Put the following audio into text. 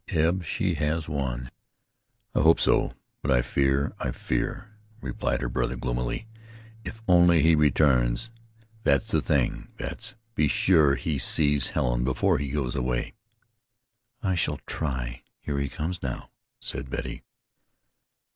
Eb, she has won." "I hope so, but I fear, I fear," replied her brother gloomily. "If only he returns, that's the thing! Betts, be sure he sees Helen before he goes away." "I shall try. Here he comes now," said Betty.